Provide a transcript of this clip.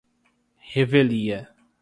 revelia